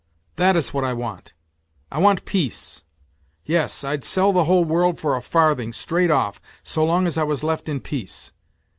That is what I want. I want peace ; yes, I'd sell the whole world for a farthing, straight off, so long as I was left in peace.